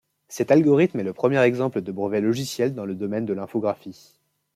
Cet algorithme est le premier exemple de brevet logiciel dans le domaine de l'infographie.